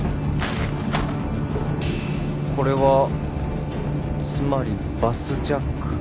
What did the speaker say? これはつまりバスジャック。